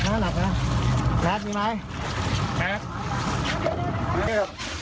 หนักนะหนักนะนักมีไหมนัก